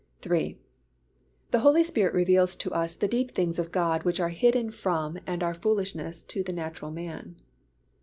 III. _The Holy Spirit reveals to us the deep things of God which are hidden from and are foolishness to the natural man.